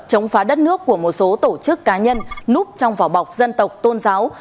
chống phá đất nước của một số tổ chức cá nhân núp trong vỏ bọc dân tộc tôn giáo